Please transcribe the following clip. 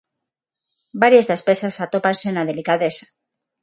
Varias das pezas atópanse na delicadeza.